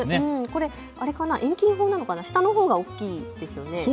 これ遠近法なのかな、下のほうが大きいですよね。